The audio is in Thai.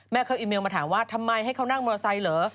เข้าอีเมลมาถามว่าทำไมให้เขานั่งมอเตอร์ไซค์เหรอ